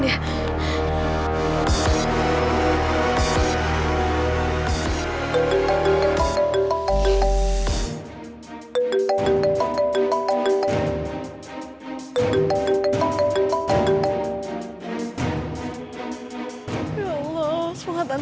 ya allah angkat dong